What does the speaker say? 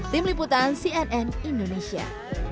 tim liputan cnn indonesia